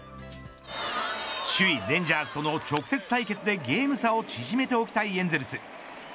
首位レンジャーズとの直接対決でゲーム差を縮めておきたいエンゼルス。